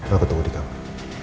aku tunggu di kamar